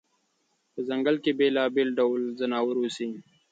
په ځنګل کې بېلابېل ډول ځناور اوسي.